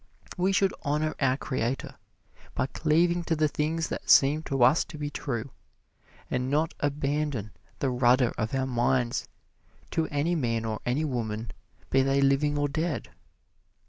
We should honor our Creator by cleaving to the things that seem to us to be true, and not abandon the rudder of our minds to any man or any woman, be they living or dead.